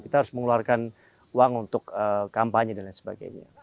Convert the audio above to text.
terus mengeluarkan uang untuk kampanye dan lain sebagainya